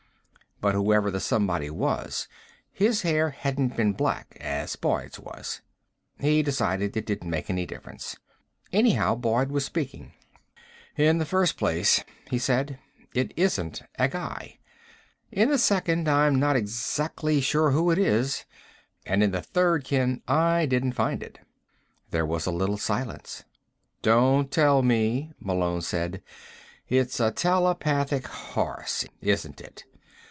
But whoever the somebody was, his hair hadn't been black, as Boyd's was He decided it didn't make any difference. Anyhow, Boyd was speaking. "In the first place," he said, "it isn't a guy. In the second, I'm not exactly sure who it is. And in the third, Ken, I didn't find it." There was a little silence. "Don't tell me," Malone said. "It's a telepathic horse, isn't it?